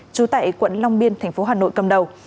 trú tại quận long biên thành phố hà nội cầm đầu